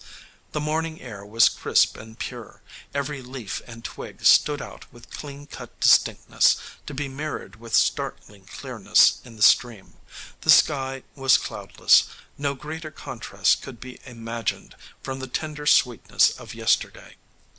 The morning air was crisp and pure; every leaf and twig stood out with clean cut distinctness, to be mirrored with startling clearness in the stream; the sky was cloudless: no greater contrast could be imagined from the tender sweetness of yesterday.